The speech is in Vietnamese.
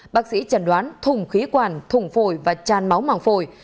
bác sĩ chẩn đoán thùng khí quản thùng phổi và tràn máu màng phổi